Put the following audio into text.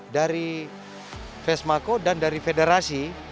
dari vesmako dan dari federasi